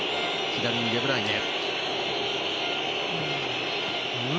左にデブライネ。